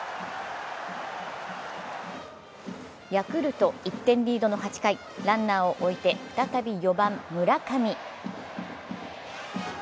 ヤクルト１点リードの８回ランナーを置いて再び４番・村上。